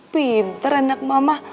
pinter anak mama